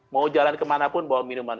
mau jalan ke manapun bawa minuman